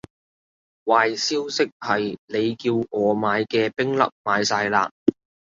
壞消息係，你叫我買嘅冰粒賣晒喇